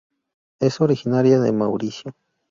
Es originaria de Mauricio.